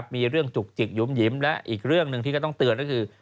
มีเรื่องจุกจิกหยุ่มหิมและอีกเรื่องหนึ่งที่ก็ต้องเตือนก็คือ